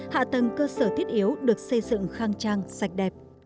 hạ tầng cơ sở thiết yếu được xây dựng khang trang sạch đẹp